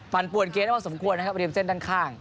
ฟันปวดเกมก็พอสมควรนะครับบรีบเส้นข้าง